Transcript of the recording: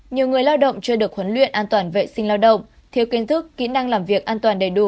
nhiều người lao động chưa được huấn luyện an toàn vệ sinh lao động thiếu kiến thức kỹ năng làm việc an toàn đầy đủ